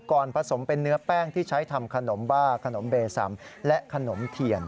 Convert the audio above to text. ผสมเป็นเนื้อแป้งที่ใช้ทำขนมบ้าขนมเบซัมและขนมเทียน